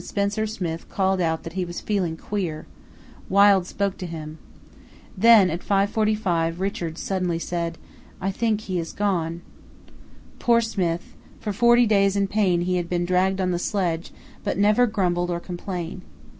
Spencer Smith called out that he was feeling queer. Wild spoke to him. Then at 5.45 Richards suddenly said, 'I think he has gone.' Poor Smith, for forty days in pain he had been dragged on the sledge, but never grumbled or complained.